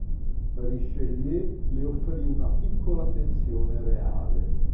Richelieu le offrì una piccola pensione reale.